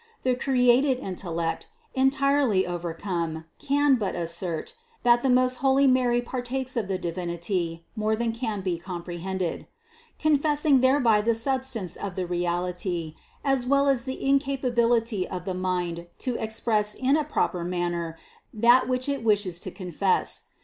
The created intellect, entirely overcome, can but assert, that the most holy Mary partakes of the Divinity more than can be comprehended; confessing thereby the substance of the reality as well as the incapability of the mind to express in a proper manner, that which it wishes to confess.